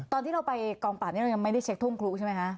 ตอนที่เราไปกองปราบนี้เรายังไม่ได้เช็คทุ่งครูใช่ไหมคะ